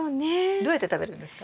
どうやって食べるんですか？